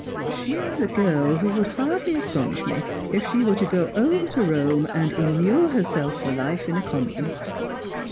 She is a girl who would hardly astonish me if she were to go over to Eome, and immure her self for life in a convent."